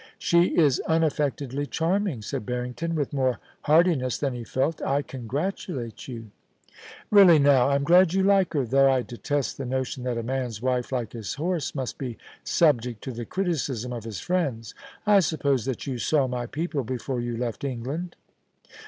*She is unaffectedly charming!' said Barrington, with more heartiness than he felt * I congratulate you.' * Really now, I'm glad you like her, though I detest the notion that a man's wife, like his horse, must be subject to the criticism of his friends. I suppose that you saw my people before you left England